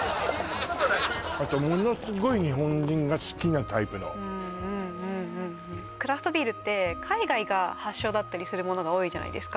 あとものすごい日本人が好きなタイプのうんうんうんクラフトビールって海外が発祥だったりするものが多いじゃないですか